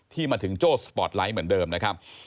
มาถึงโจ้สปอร์ตไลท์เหมือนเดิมนะครับ